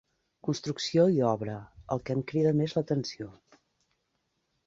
“Construcció i Obra”, el que em crida més l'atenció.